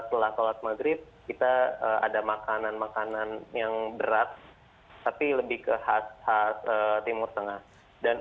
dan setelah sholat maghrib kita ada makanan makanan yang berat tapi lebih ke hat hat timur tengah dan